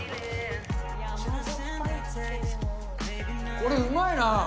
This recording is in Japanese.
これ、うまいな！